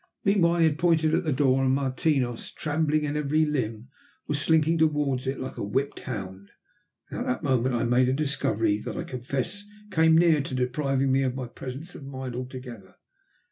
Meanwhile he had pointed to the door, and Martinos, trembling in every limb, was slinking towards it like a whipped hound. At that moment I made a discovery that I confess came near to depriving me of my presence of mind altogether.